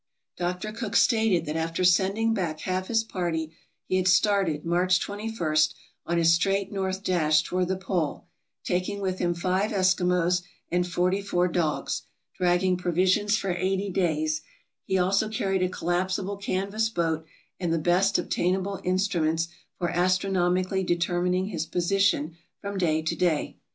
Dr. Cook stated that after sending back half his party he had started, March 21, on his straight north dash toward the pole, taking with him five Eskimos and forty four dogs, dragging provisions for eighty days; he also carried a collapsible canvas boat and the best obtainable instruments for astronomically determining his position from day to day.